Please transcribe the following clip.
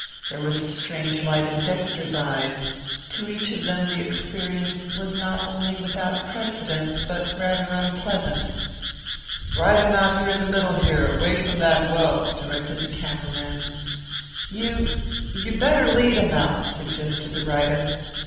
There was a strange light in Dexter's eyes. To each of them the experience was not only without precedent but rather unpleasant. "Ride him out in the middle here, away from that well," directed the camera man. "You you better lead him out," suggested the rider.